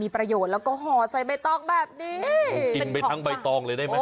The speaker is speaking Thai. ประโยชน์แล้วก็ห่อใส่ใบตองแบบนี้กินไปทั้งใบตองเลยได้ไหม